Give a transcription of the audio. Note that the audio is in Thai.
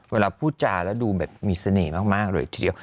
เวลาพูดจาแล้วดูแบบมีเสน่ห์มากเลยทีเดียว